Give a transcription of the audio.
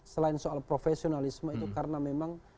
selain soal profesionalisme itu karena memang